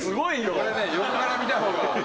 これね横から見た方が。